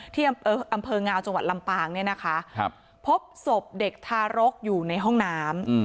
ที่อำเภองาวจังหวัดลำปางเนี่ยนะคะพบศพเด็กทารกอยู่ในห้องน้ำ